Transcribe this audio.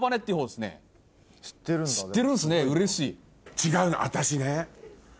違うの私ね。